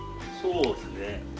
そうですね。